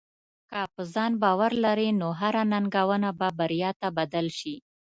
که په ځان باور لرې، نو هره ننګونه به بریا ته بدل شي.